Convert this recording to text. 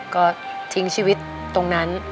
ก็ทิ้งชีวิตตรงนั้น